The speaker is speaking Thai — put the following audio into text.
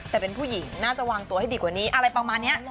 แต่เป็นผู้หญิงน่าจะวางตัวให้ดีกว่านี้อะไรประมาณนี้